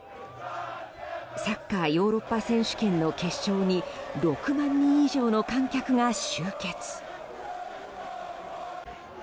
サッカー・ヨーロッパ選手権の決勝に６万人以上の観客が集結。